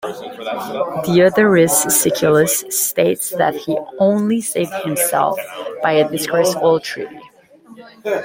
Diodorus Siculus states that he only saved himself by a disgraceful treaty.